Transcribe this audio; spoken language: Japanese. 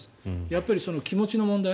やっぱり、気持ちの問題。